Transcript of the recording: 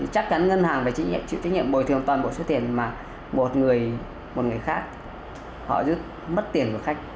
chắc chắn ngân hàng phải chịu trách nhiệm bồi thường toàn bộ số tiền mà một người khác họ rất mất tiền của khách